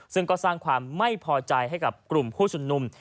ซึ่งก็สร้างความไม่พอใจให้กับกลุ่มผู้ชุมนุม